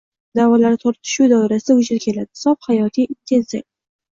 da’volari tortishuvi doirasida vujudga keladi. Sof hayotiy intensiyalar